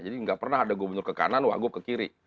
jadi nggak pernah ada gubernur ke kanan wagub ke kiri